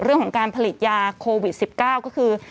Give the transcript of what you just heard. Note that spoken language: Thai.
เรื่องของการผลิตยาโควิด๑๙ก็คือ